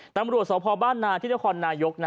ตำรวจสพบ้านนาที่นครนายก